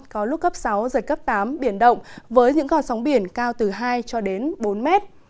có lúc cấp sáu giật cấp tám biển động với những con sóng biển cao từ hai cho đến bốn mét